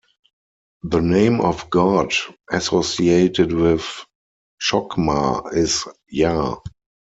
The name of God associated with Chokhmah is Yah.